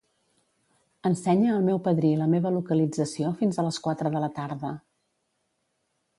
Ensenya al meu padrí la meva localització fins a les quatre de la tarda.